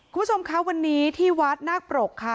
คุณผู้ชมคะวันนี้ที่วัดนาคปรกค่ะ